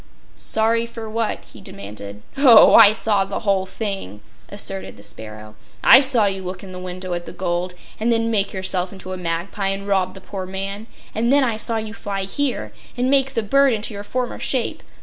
"Sorry for what?" he demanded. "Oh, I saw the whole thing," asserted the sparrow. "I saw you look in the window at the gold, and then make yourself into a magpie and rob the poor man, and then I saw you fly here and make the bird into your former shape.